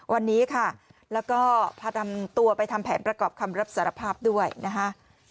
วันนี้ค่ะแล้วก็พานำตัวไปทำแผนประกอบคำรับสารภาพด้วยนะคะ